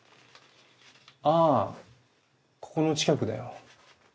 ああここの近くだよ。